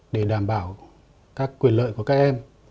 để đảm bảo các quyền lợi của các em